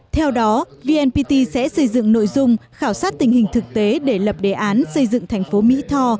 theo đó vnpt sẽ xây dựng nội dung khảo sát tình hình thực tế để lập đề án xây dựng thành phố mỹ tho